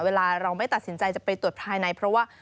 เวลาเราไม่ตัดสินใจจะไปตรวจภายในเพราะว่า